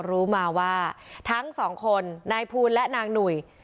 รู้มาว่าทั้งสองคนนายภูลและนางหนุ่ย